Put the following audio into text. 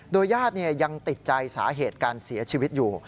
ญาติยังติดใจสาเหตุการเสียชีวิตอยู่